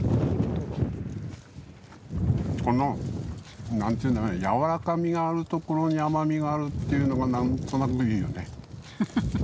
このやわらかみがあるところに甘みがあるっていうのがなんとなくいいよね。